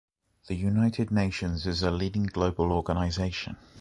The United Nations is a leading global organization.